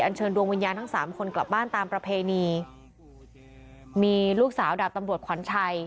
เชิญดวงวิญญาณทั้งสามคนกลับบ้านตามประเพณีมีลูกสาวดาบตำรวจขวัญชัย